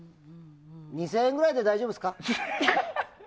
２０００円ぐらいで大丈夫ですか？